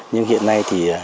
nhưng hiện nay thì